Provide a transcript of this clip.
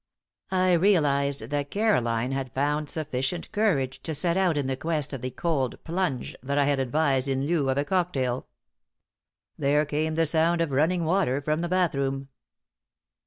I realized that Caroline had found sufficient courage to set out in quest of the cold plunge that I had advised in lieu of a cocktail. There came the sound of running water from the bathroom.